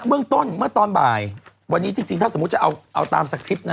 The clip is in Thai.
เบื้องต้นเมื่อตอนบ่ายวันนี้จริงถ้าสมมุติจะเอาตามสคริปต์นะ